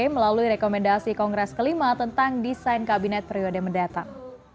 melalui rekomendasi kongres kelima tentang desain kabinet periode mendatang